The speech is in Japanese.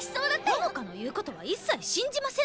穂乃果の言う事は一切信じません！